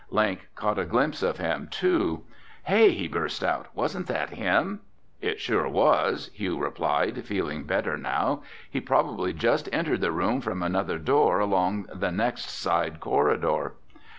Link caught a glimpse of him too. "Hey!" he burst out. "Wasn't that him?" "It sure was," Hugh replied, feeling better now. "He probably just entered the room from another door along the next side corridor."